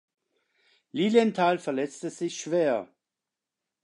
Lilienthal verletzte sich schwer.